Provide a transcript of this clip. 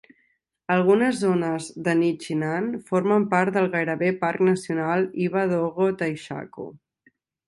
Algunes zones de Nichinan formen part del gairebé parc nacional Hiba-Dogo-Taishaku.